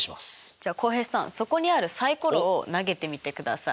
じゃあ浩平さんそこにあるサイコロを投げてみてください。